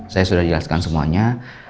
saya sudah jelaskan semuanya